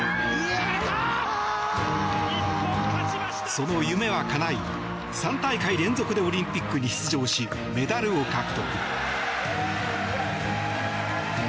その夢はかない３大会連続でオリンピックに出場しメダルを獲得。